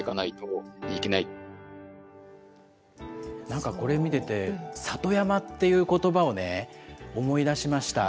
なんかこれ見てて、里山っていうことばをね、思い出しました。